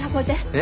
え？